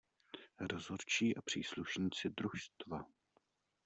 Rozhodčí a příslušníci družstva.